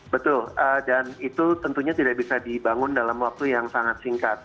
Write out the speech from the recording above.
betul dan itu tentunya tidak bisa dibangun dalam waktu yang sangat singkat